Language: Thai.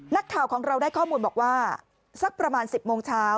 นักข่าวของเราได้ข้อมูลบอกว่าสักประมาณ๑๐โมงเช้า